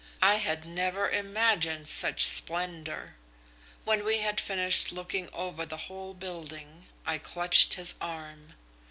I had never imagined such splendour. When we had finished looking over the whole building, I clutched his arm.